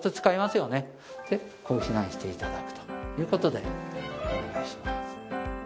でこう避難して頂くという事でお願いします。